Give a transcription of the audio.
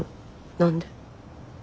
何で？